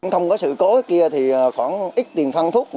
không có sự cố kia thì khoảng ít tiền phân thuốc